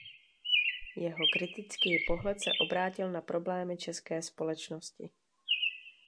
Jeho kritický pohled se obrátil na problémy české společnosti.